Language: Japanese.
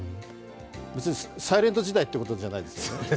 別にサイレント時代ということじゃないですよ。